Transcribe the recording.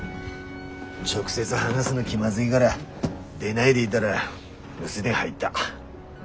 直接話すの気まずいがら出ないでいだら留守電入った。